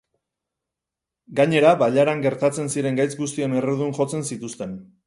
Gainera, bailaran gertatzen ziren gaitz guztien errudun jotzen zituzten.